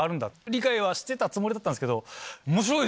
理解はしてたつもりだったんですけど。